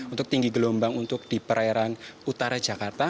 untuk tinggi gelombang untuk di perairan utara jakarta